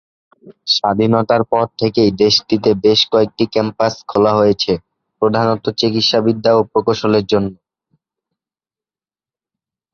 স্বাধীনতার পর থেকেই দেশটিতে বেশ কয়েকটি ক্যাম্পাস খোলা হয়েছে, প্রধানত চিকিৎসাবিদ্যা ও প্রকৌশলের জন্য।